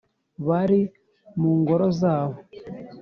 Bari mu ngoro zabo